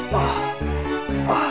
senior presentations sama dokterawsan